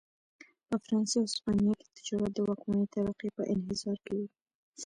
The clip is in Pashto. په فرانسې او هسپانیا کې تجارت د واکمنې طبقې په انحصار کې و.